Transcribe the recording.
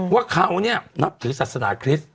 ว่าเขานับถือศาสนาคริสต์